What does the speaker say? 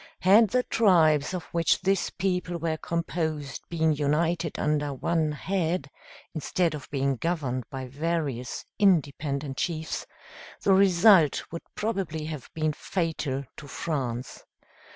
Had the tribes of which this people were composed been united under one head, instead of being governed by various independent chiefs, the result would probably have been fatal to France.